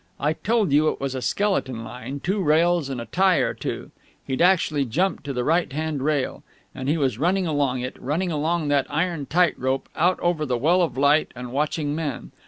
I told you it was a skeleton line, two rails and a tie or two. He'd actually jumped to the right hand rail. And he was running along it running along that iron tightrope, out over that well of light and watching men.